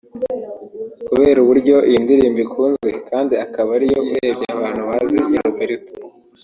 Kubera uburyo iyi ndirimbo ikunzwe kandi akaba ariyo urebye abantu bazi ya Roberto